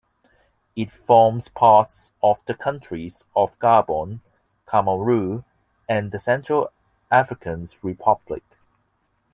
It forms parts of the countries of Gabon, Cameroon, and the Central African Republic.